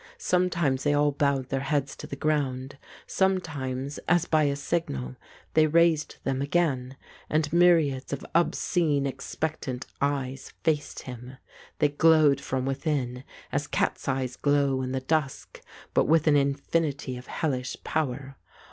Some times they all bowed their heads to the ground, some times, as by a signal, they raised them again, and myriads of obscene expectant eyes faced him. They glowed from within, as cats' eyes glow in the dusk, but with an infinity of hellish power.